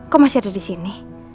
kok masih ada disini